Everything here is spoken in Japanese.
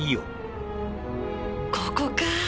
ここか